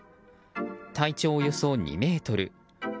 体長およそ２ｍ。